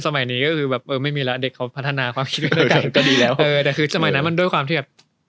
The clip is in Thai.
มีเรื่องไหนมั้ยที่รู้สึกว่าเนี่ย